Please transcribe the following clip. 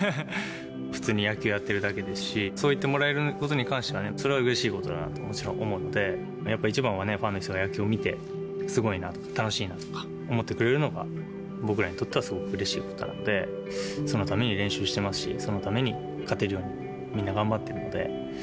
普通に野球やっているだけですし、そう言ってもらえることに関しては、それはうれしいことだなともちろん思うので、やっぱり一番は、ファンの人が野球を見て、すごいなとか、楽しいなとか思ってくれるのが、僕らにとってはすごくうれしいことなので、そのために練習してますし、そのために勝てるようにみんな頑張っているので。